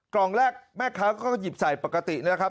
กล่องแรกแม่ค้าก็หยิบใส่ปกตินะครับ